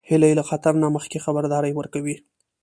هیلۍ له خطر نه مخکې خبرداری ورکوي